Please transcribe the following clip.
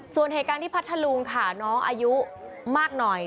ส่วนเหตุการณ์ที่พัทธลุงค่ะน้องอายุมากหน่อย